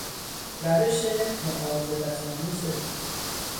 روش معاضدتآمیز او....